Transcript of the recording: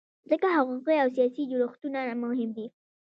ځکه حقوقي او سیاسي جوړښتونه مهم دي.